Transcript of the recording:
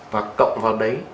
và cộng vào đấy